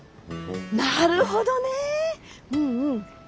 なるほどねぇうんうん。